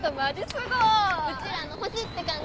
うちらの星って感じ。